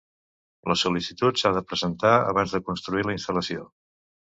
La sol·licitud s'ha de presentar abans de construir la instal·lació.